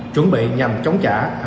chuẩn bị nhằm chống trả